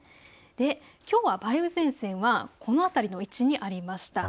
きょうは梅雨前線はこの辺りにありました。